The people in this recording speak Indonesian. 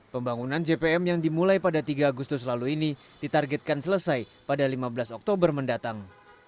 pembangunan jpm yang dimulai pada tiga agustus lalu ini ditargetkan selesai pada lima belas oktober mendatang